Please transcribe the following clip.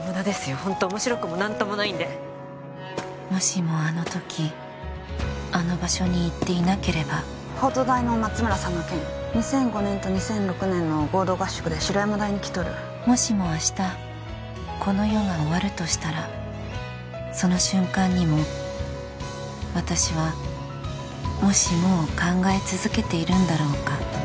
ほんと面白くも何ともないんでもしもあの時あの場所に行っていなければ法都大の松村さんの件２００５年と２００６年の合同合宿で白山大に来とるもしも明日この世が終わるとしたらその瞬間にも私は「もしも」を考え続けているんだろうか？